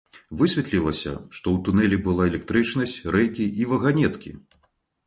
Высветлілася, што ў тунэлі была электрычнасць, рэйкі і ваганеткі!